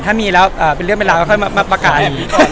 ถ้ามีแล้วเป็นเรื่องเวลาก็เข้ามาประกาศ